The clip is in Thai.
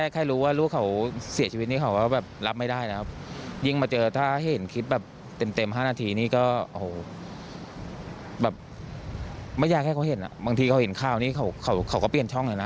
ขนาดที่นี้ก็แบบไม่ยากให้เขาเห็นอ่ะบางทีเขาเห็นข้าวนี้เขาก็เปลี่ยนช่องเลยนะ